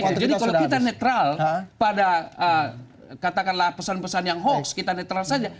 jadi kalau kita netral pada katakanlah pesan pesan yang hoax kita netral saja